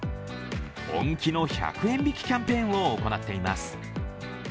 本気の１００円引きキャンペーンを行っています。